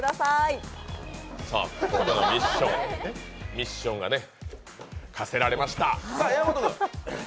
ミッションが課せられました。